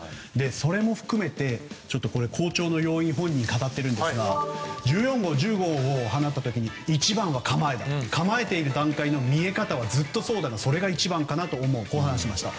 それも含めて好調の要因を本人が語っていますが１４号、１５号の時一番は構えている段階の見え方はずっとそうだがそれが一番だと思うと話しました。